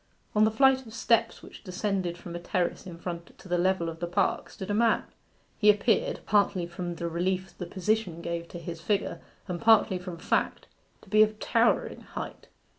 On the flight of steps, which descended from a terrace in front to the level of the park, stood a man. He appeared, partly from the relief the position gave to his figure, and partly from fact, to be of towering height.